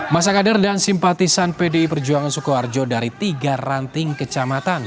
masa kader dan simpatisan pdi perjuangan sukoharjo dari tiga ranting kecamatan